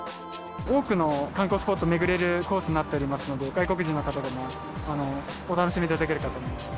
多くの観光スポットを巡れるコースになっておりますので、外国人の方でもお楽しみいただけるかと思います。